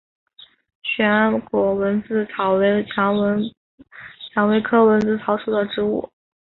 旋果蚊子草为蔷薇科蚊子草属的植物。